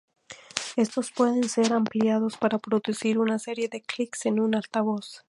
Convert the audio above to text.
Estos pueden ser ampliados para producir una serie de clics en un altavoz.